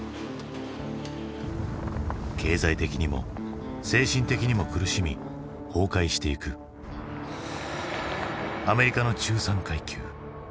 経済的にも精神的にも苦しみ崩壊していくアメリカの中産階級。